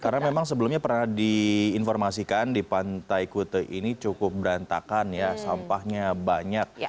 karena memang sebelumnya pernah diinformasikan di pantai kuta ini cukup berantakan ya sampahnya banyak